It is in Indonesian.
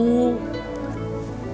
kau ini cok inang kau ini